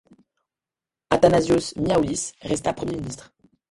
Athanasios Miaoulis resta premier ministre.